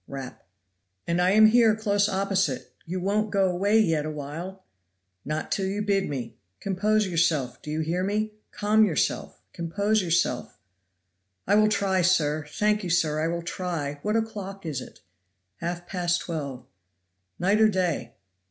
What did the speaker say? (rap). "And I am here close opposite; you won't go away yet a while?" "Not till you bid me compose yourself do you hear me? calm yourself, compose yourself." "I will try, sir! thank you, sir I will try. What o'clock is it?" "Half past twelve." "Night or day?"